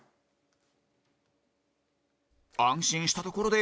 安心したところで